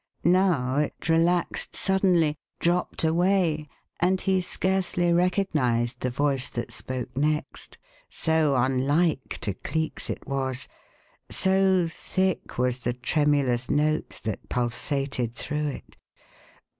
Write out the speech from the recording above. Now it relaxed suddenly, dropped away, and he scarcely recognized the voice that spoke next, so unlike to Cleek's it was, so thick was the tremulous note that pulsated through it.